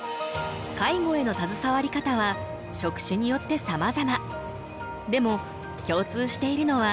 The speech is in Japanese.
介護へのたずさわり方は職種によってさまざま。